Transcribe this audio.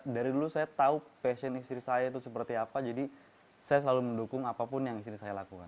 dari dulu saya tahu passion istri saya itu seperti apa jadi saya selalu mendukung apapun yang istri saya lakukan